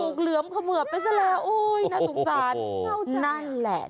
ถูกเหลือมเขมือไปซะแล้วโอ้ยน่าสงสาร